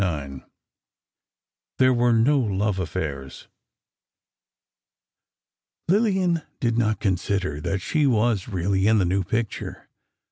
IX THERE WERE NO LOVE AFFAIRS Lillian did not consider that she was really in the new picture.